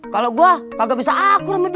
kalau gua kagak bisa aku remitinnya